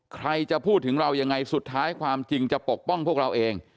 ใครจะพูดถึงเรายังไงสุดท้ายความจริงจะปกป้องพวกเราเอง